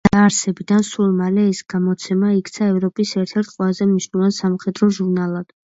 დაარსებიდან სულ მალე ეს გამოცემა იქცა ევროპის ერთ-ერთ ყველაზე მნიშვნელოვან სამხედრო ჟურნალად.